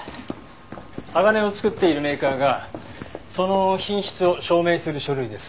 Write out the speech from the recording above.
鋼を作っているメーカーがその品質を証明する書類です。